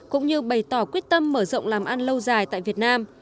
cũng như bày tỏ quyết tâm mở rộng làm ăn lâu dài tại việt nam